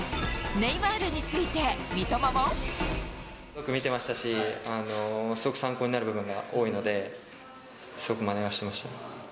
すごく見てましたし、すごく参考になる部分が多いので、すごくまねはしてました。